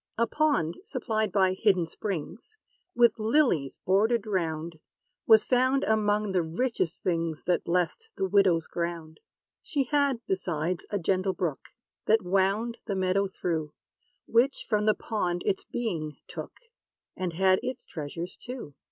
A pond, supplied by hidden springs, With lilies bordered round, Was found among the richest things, That blessed the widow's ground. She had, besides, a gentle brook, That wound the meadow through, Which from the pond its being took, And had its treasures too.